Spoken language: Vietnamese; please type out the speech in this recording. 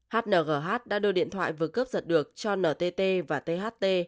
hngh đã đưa điện thoại vừa cướp giật được cho ntt và tht